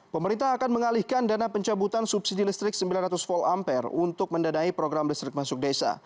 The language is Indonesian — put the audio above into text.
pemerintah akan mengalihkan dana pencabutan subsidi listrik sembilan ratus volt ampere untuk mendanai program listrik masuk desa